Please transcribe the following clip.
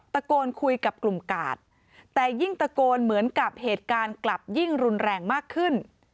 ตะโกนคุยกับกลุ่มกาดแต่ยิ่งตะโกนเหมือนกับเหตุการณ์กลับยิ่งรุนแรงมากขึ้น